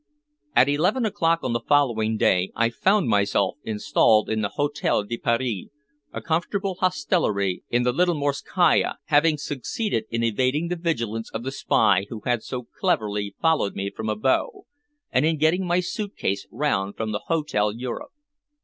At eleven o'clock on the following day I found myself installed in the Hotel de Paris, a comfortable hostelry in the Little Morskaya, having succeeded in evading the vigilance of the spy who had so cleverly followed me from Abo, and in getting my suit case round from the Hotel Europe.